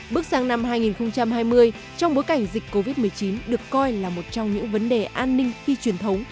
bước sang năm hai nghìn hai mươi trong bối cảnh dịch covid một mươi chín được coi là một trong những vấn đề an ninh phi truyền thống